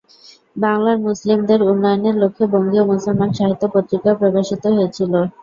বাংলার মুসলিমদের উন্নয়নের লক্ষ্যে বঙ্গীয় মুসলমান সাহিত্য পত্রিকা প্রকাশিত হয়েছিল।